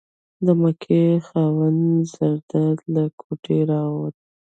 د مکۍ خاوند زرداد له کوټې راووت.